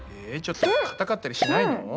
ちょっとかたかったりしないの？